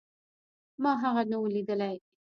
ما هغه نه و ليدلى.